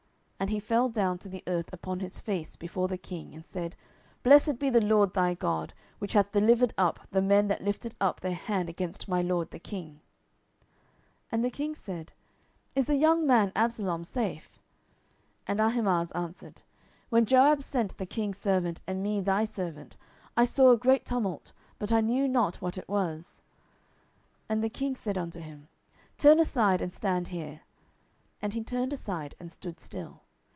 And he fell down to the earth upon his face before the king, and said, Blessed be the LORD thy God, which hath delivered up the men that lifted up their hand against my lord the king. 10:018:029 And the king said, Is the young man Absalom safe? And Ahimaaz answered, When Joab sent the king's servant, and me thy servant, I saw a great tumult, but I knew not what it was. 10:018:030 And the king said unto him, Turn aside, and stand here. And he turned aside, and stood still.